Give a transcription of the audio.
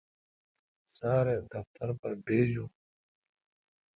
سار دفتر پر بجون۔